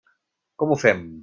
Com ho fem?